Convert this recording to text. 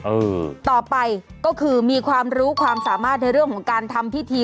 เออต่อไปก็คือมีความรู้ความสามารถในเรื่องของการทำพิธี